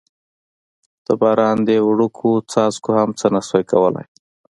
د باران دې وړوکو څاڅکو هم څه نه شوای کولای.